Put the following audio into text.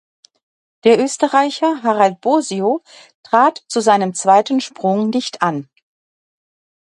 Der Österreicher Harald Bosio trat zu seinem zweiten Sprung nicht an.